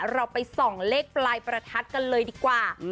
เราไปส่องเลขปลายประทัดกันเลยดีกว่า